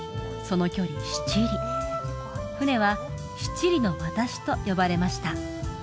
その距離七里船は「七里の渡し」と呼ばれました